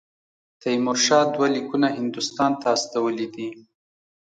تیمورشاه دوه لیکونه هندوستان ته استولي دي.